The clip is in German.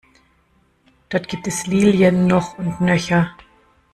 Dort gibt es Lilien noch und nöcher.